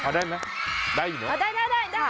พอได้ไหมได้อยู่หรออะไรขึ้นได้ได้ใช่ค่ะ